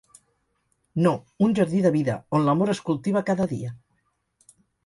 No, un jardí de vida, on l'amor es cultiva cada dia!